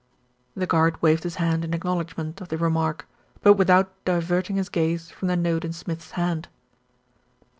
The guard waved his hand in acknowledgment of the remark; but without diverting his gaze from the note in Smith's hand.